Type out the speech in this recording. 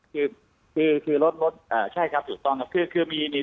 คือคือคือรถรถอ่าใช่ครับถูกต้องครับคือคือมีนี่